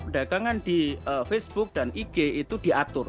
dagangan di facebook dan ig itu diatur